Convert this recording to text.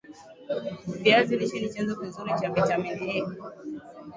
Viazi lishe ni chanzo kizuri cha vitamin A